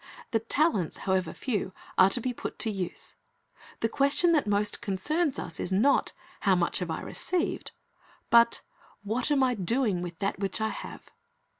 " The talents, however few, are to be put to use. The question that most concerns us is not, How much have I received? but, What am I doing with that which I have?